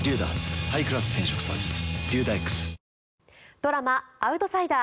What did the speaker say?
ドラマ「アウトサイダー」。